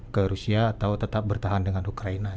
ke rusia atau tetap bertahan dengan ukraina